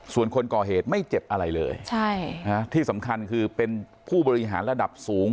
ส่วนคนก่อเหตุไม่เจ็บอะไรเลยที่สำคัญคือเป็นผู้บริหารระดับสูง